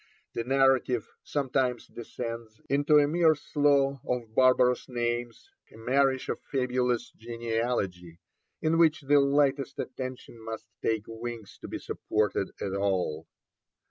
The narrative sometimes descends into a mere slough of barbarous names, a marish of fabulous genealogy, in which the lightest attention must take wings to be supported at all.